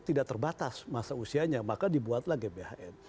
tidak terbatas masa usianya maka dibuatlah gbhn